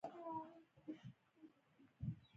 هندي صنعتونه له منځه لاړل.